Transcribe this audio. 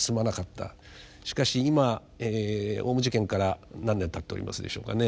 しかし今オウム事件から何年たっておりますでしょうかね。